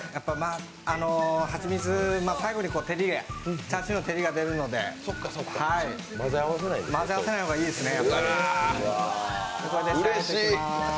蜂蜜、最後にチャーシューの照りが出るので混ぜ合わせない方がいいですね。